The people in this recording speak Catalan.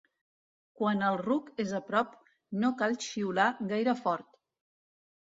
Quan el ruc és a prop, no cal xiular gaire fort.